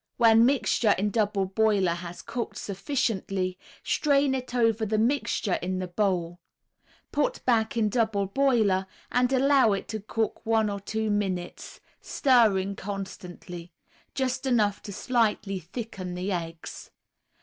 When mixture in double boiler has cooked sufficiently, strain it over the mixture in the bowl. Put back in double boiler and allow it to cook one or two minutes (stirring constantly), just enough to slightly thicken the eggs.